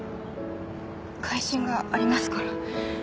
回診がありますから。